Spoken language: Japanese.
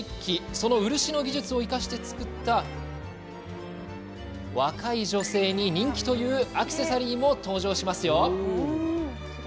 その漆の技術を生かして作った若い女性に人気というアクセサリーも登場しますよ。